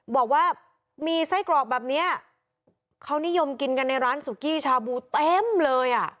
บอกว่ามีไส้กรอกแบบเนี้ยเขานิยมกินกันในร้านสุกี้ชาบูเต็มเลยอ่ะ